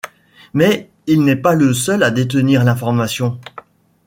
Mais il n'est pas le seul à détenir l'information.